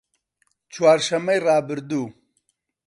چوارشەممەی ڕابردوو